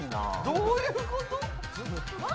どういうこと？